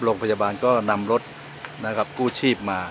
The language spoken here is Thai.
โรงพยาบาลก็นำรถนะครับกู้ชีพมา